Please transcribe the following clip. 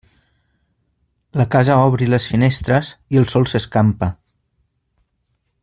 La casa obri les finestres i el sol s'escampa.